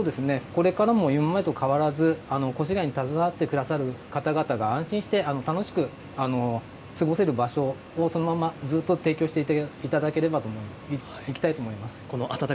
これからも今までと変わらず越谷に携わってくださる方々が安心して楽しく過ごせる場所をそのままずっと提供していければと思います。